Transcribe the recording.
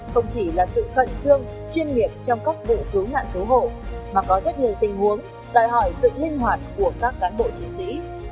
không chỉ là sự khẩn trương chuyên nghiệp trong các vụ cứu nạn cứu hộ mà có rất nhiều tình huống đòi hỏi sự linh hoạt của các cán bộ chiến sĩ